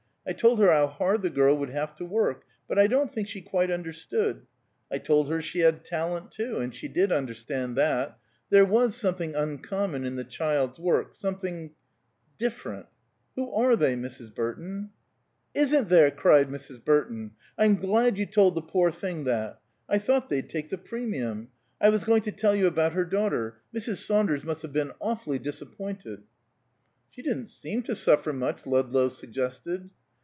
I told her how hard the girl would have to work: but I don't think she quite understood. I told her she had talent, too; and she did understand that; there was something uncommon in the child's work; something different. Who are they, Mrs. Burton?" "Isn't there!" cried Mrs. Burton. "I'm glad you told the poor thing that. I thought they'd take the premium. I was going to tell you about her daughter. Mrs. Saunders must have been awfully disappointed." "She didn't seem to suffer much," Ludlow suggested.